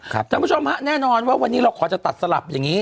ท่านผู้ชมฮะแน่นอนว่าวันนี้เราขอจะตัดสลับอย่างนี้